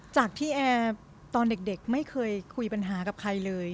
จากที่แอร์ตอนเด็กไม่เคยคุยปัญหากับใครเลย